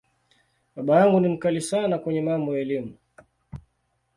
Baba yangu ni ‘mkali’ sana kwenye mambo ya Elimu.